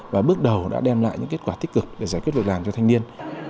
và bước đầu đã đem lại những kết quả tích cực để giải quyết việc làm cho thanh niên